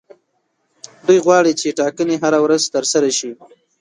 دوی غواړي چې ټاکنې هره ورځ ترسره شي.